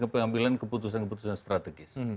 pengambilan keputusan keputusan strategis